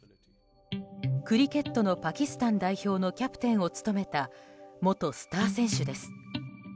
クリケットのパキスタン代表のキャプテンを務めた元スター選手です。